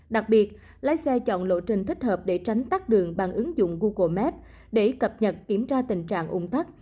đặc biệt lái xe chọn lộ trình thích hợp để tránh tắt đường bằng ứng dụng google map để cập nhật kiểm tra tình trạng ủng tắc